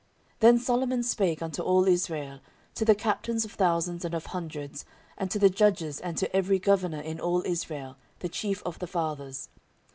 14:001:002 Then Solomon spake unto all Israel, to the captains of thousands and of hundreds, and to the judges, and to every governor in all Israel, the chief of the fathers.